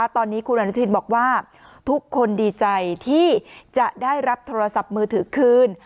ตอนนี้คุณอนุทินบอกว่าทุกคนดีใจที่จะได้รับโทรศัพท์มือถือคืน